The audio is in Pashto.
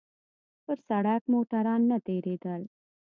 پر سړک موټران نه تېرېدل.